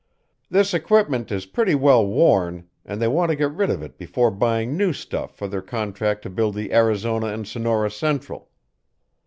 This equipment is pretty well worn, and they want to get rid of it before buying new stuff for their contract to build the Arizona and Sonora Central.